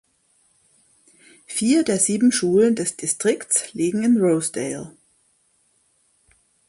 Vier der sieben Schulen des Districts liegen in Rosedale.